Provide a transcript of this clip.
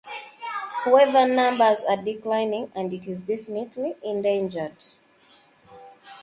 However numbers are declining and it is definitely endangered.